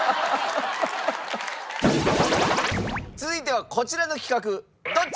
続いてはこちらの企画。